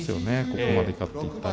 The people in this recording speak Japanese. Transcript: ここまで勝っていったら。